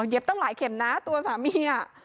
เย็บตั้งหลายเข็มหน้าตัวสามี